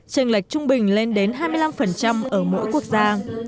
tranh lệch trung bình lên đến hai mươi năm ở mỗi quốc gia